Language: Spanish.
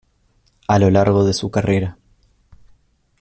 A lo largo de su carrera.